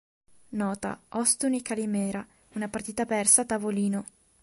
Nota: Ostuni e Calimera una partita persa a tavolino.